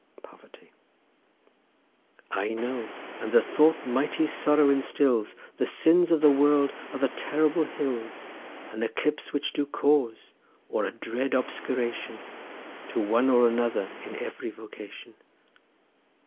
POVERTY. I know, and the thought mighty sorrow instils, The sins of the world are the terrible hills An eclipse which do cause, or a dread obscuration, To one or another in every vocation.